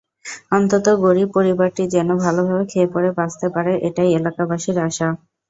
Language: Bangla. অন্তত গরিব পরিবারটি যেন ভালোভাবে খেয়েপরে বাঁচতে পারে এটাই এলাকাবাসীর আশা।